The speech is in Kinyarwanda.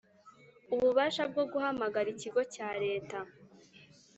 ububasha bwo guhamagara ikigo cya Leta